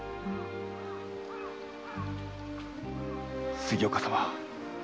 杉岡様。